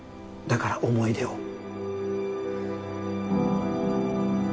だから思い出を